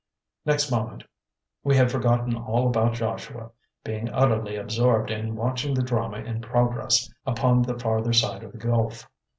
Next moment we had forgotten all about Joshua, being utterly absorbed in watching the drama in progress upon the farther side of the gulf.